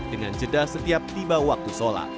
dengan jeda setiap tiba waktu sholat